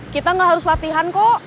kita gak harus latihan kok